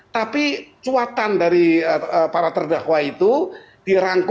tapi cuatan dari para terdakwa itu dirangkul